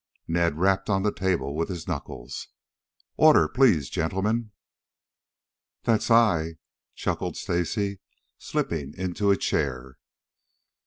Ned rapped on the table with his knuckles. "Order, please, gentlemen!" "That's I," chuckled Stacy, slipping into a chair.